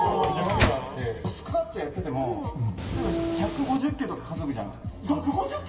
スクワットやってても１５０ｋｇとか担ぐじゃん。